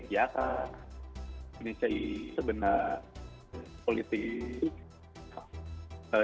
ya karena indonesia itu sebenarnya politik itu